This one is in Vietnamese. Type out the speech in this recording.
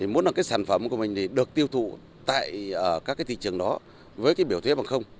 muốn sản phẩm của mình được tiêu thụ tại các thị trường đó với biểu thuyết bằng không